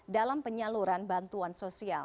dalam penyaluran bantuan sosial